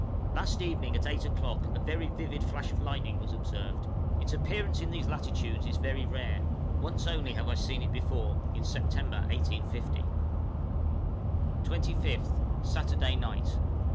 Last evening at eight o'clock a very vivid flash of lightning was observed; its appearance in these latitudes is very rare; once only have I seen it before in September, 1850. {HOBSON'S PARTY START.} 25th. Saturday night.